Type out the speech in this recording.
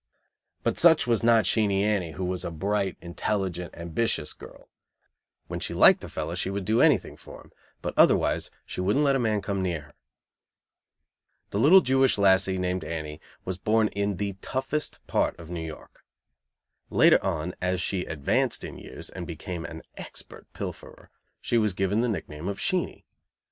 But such was not Sheenie Annie, who was a bright, intelligent, ambitious, girl; when she liked a fellow she would do anything for him, but otherwise she wouldn't let a man come near her. The little Jewish lassie, named Annie, was born in the toughest part of New York. Later on, as she advanced in years and became an expert pilferer, she was given the nickname of "Sheenie."